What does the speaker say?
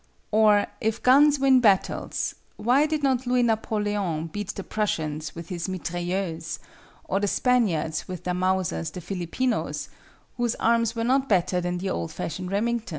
Or, if guns win battles, why did not Louis Napoleon beat the Prussians with his Mitrailleuse, or the Spaniards with their Mausers the Filipinos, whose arms were no better than the old fashioned Remingtons?